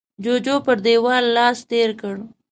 جوجو پر دېوال لاس تېر کړ.